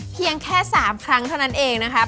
เพียงแค่๓ครั้งเท่านั้นเองนะครับ